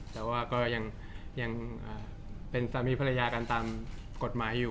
แต่ว่าก็ยังเป็นสามีภรรยากันตามกฎหมายอยู่